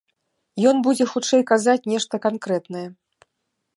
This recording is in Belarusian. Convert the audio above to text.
Ён будзе хутчэй казаць нешта канкрэтнае.